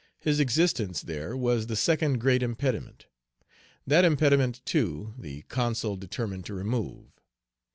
His existence there was the second great impediment. That impediment, too, the Consul determined to remove.